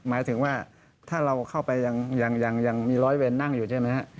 หมายถึงว่าถ้าเราเข้าไปยังมีร้อยเวรนั่งอยู่ใช่ไหมฮะ